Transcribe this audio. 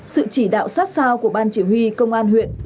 sự chỉ đạo sát sao của ban chỉ huy công an huyện